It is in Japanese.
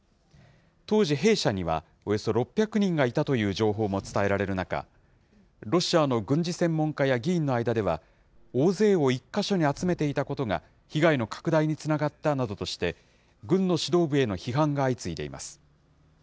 当時、兵舎にはおよそ６００人がいたという情報も伝えられる中、ロシアの軍事専門家や議員の間では、大勢を１か所に集めていたことが被害の拡大につながったなどとして、軍の指導部への批判が相次いでいます。